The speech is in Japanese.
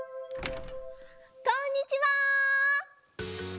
こんにちは！